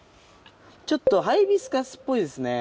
ちょっとハイビスカスっぽいですね。